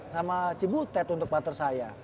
sama cibu ted untuk partner saya